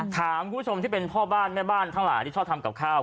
ถามคุณผู้ชมที่เป็นพ่อบ้านแม่บ้านทั้งหลายที่ชอบทำกับข้าว